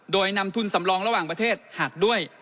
โดยนำทุนสำรองระหว่างประเทศหักด้วย